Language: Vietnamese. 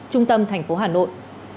trung tâm thành phố hà nội